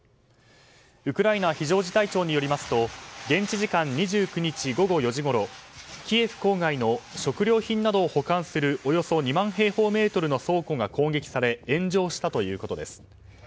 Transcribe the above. ウクライナ非常事態庁によりますと現地時間２９日午後４時ごろキエフ郊外の食料品などを保管するおよそ２万平方メートルの倉庫が攻撃され炎上したということです。